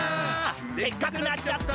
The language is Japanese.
でっかくなっちゃった！